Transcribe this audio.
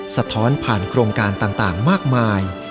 สะท้อนผ่านโครงการต่างมากมาย